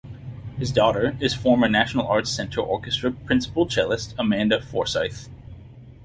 His daughter is former National Arts Centre Orchestra principal cellist Amanda Forsyth.